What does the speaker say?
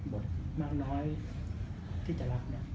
บทมากน้อยที่จะรับเนี่ย